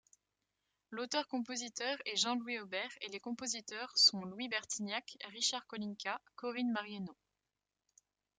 L'auteur-compositeur est Jean-Louis Aubert et les compositeurs sont Louis Bertignac, Richard Kolinka, Corine Marienneau.